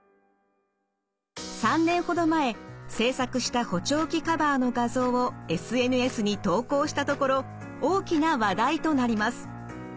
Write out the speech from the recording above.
３年ほど前制作した補聴器カバーの画像をＳＮＳに投稿したところ大きな話題となります。